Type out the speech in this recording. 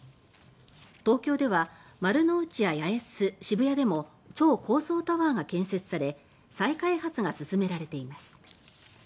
東京では丸の内や八重洲、渋谷でも超高層タワーが建設され再開発が進められています。